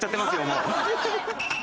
もう。